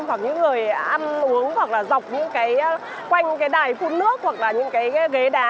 hoặc những người ăn uống hoặc dọc quanh đài phút nước hoặc những ghế đá